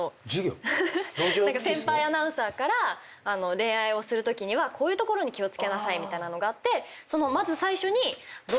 先輩アナウンサーから恋愛をするときにはこういうところに気を付けなさいみたいなのがあって最初に。